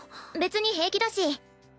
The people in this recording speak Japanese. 別に平気だし。